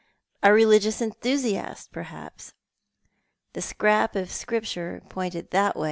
A religious enthusiast, perhaps ! The scrap of Scripture pointed that way.